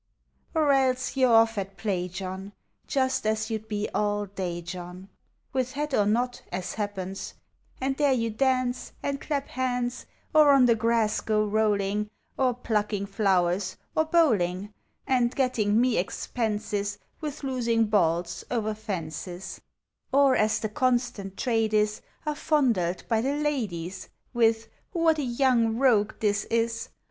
Or else you 're off at play, John, Just as you 'd be all day, John, With hat or not, as happens; And there you dance, and clap hands, Or on the grass go rolling, Or plucking flowers, or bowling, And getting me expenses With losing balls o'er fences; Or, as the constant trade is, Are fondled by the ladies With " What a young rogue this is!"